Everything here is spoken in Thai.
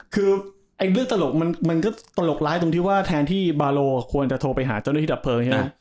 คือเรื่องตลกมันก็ตลกร้ายตรงที่ว่าแทนที่บาโลควรจะโทรไปหาเจ้าหน้าที่ดับเพลิงใช่ไหม